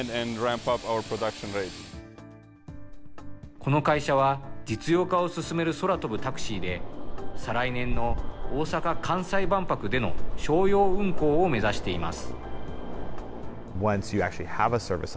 この会社は、実用化を進める空飛ぶタクシーで、再来年の大阪・関西万博での商用運航を目指しています。